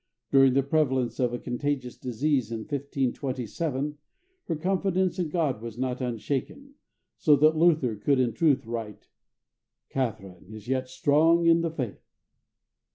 During the prevalence of a contagious disease, in 1527, her confidence in God was not unshaken, so that Luther could in truth write, "Catharine is yet strong in the faith."